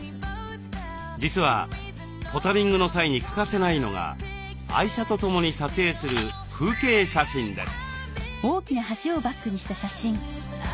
実はポタリングの際に欠かせないのが愛車とともに撮影する風景写真です。